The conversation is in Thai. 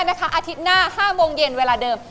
อาทิตย์หน้า๕โมงเย็นเวลาเดิม